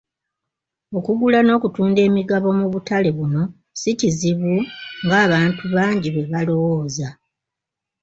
Okugula n'okutunda emigabo mu butale buno si kizibu ng'abantu bangi bwe balowooza.